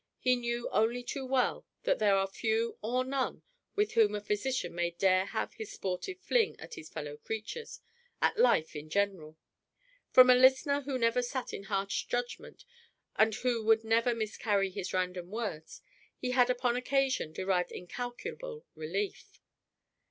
He knew only too well that there are few or none with whom a physician may dare have his sportive fling at his fellow creatures, at life in general. From a listener who never sat in harsh judgment and who would never miscarry his random words, he had upon occasion derived incalculable relief.